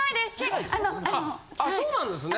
あそうなんですね？